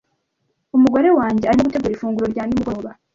Umugore wanjye arimo gutegura ifunguro rya nimugoroba.